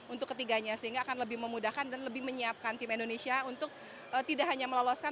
untuk ketiganya sehingga akan lebih memudahkan dan lebih menyiapkan tim indonesia untuk tidak hanya meloloskan